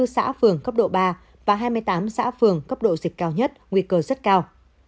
hai mươi xã phường cấp độ ba và hai mươi tám xã phường cấp độ dịch cao nhất nguy cơ rất cao